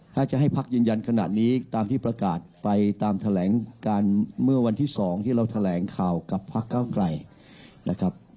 ถ้าจะให้พักยืนยันขนาดนี้ตามที่ประกาศไปตามแถลงการเมื่อวันที่๒ที่เราแถลงข่าวกับพักเก้าไกลนะครับ